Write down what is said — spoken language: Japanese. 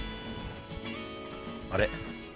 あれ？